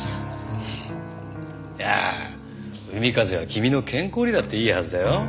いやあ海風は君の健康にだっていいはずだよ。